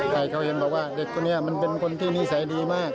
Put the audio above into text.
แต่เขาเห็นบอกว่าเด็กคนนี้มันเป็นคนที่นิสัยดีมาก